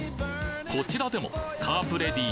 こちらでもカープレディー